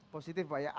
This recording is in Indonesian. positif pak ya